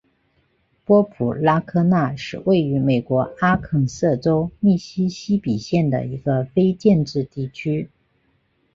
波普拉科纳是位于美国阿肯色州密西西比县的一个非建制地区。